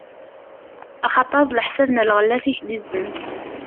Axaṭer d leḥsab n lɣellat i k-d-izzenz.